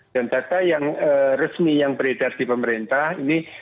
dan data yang resmi yang beredar di pemerintah ini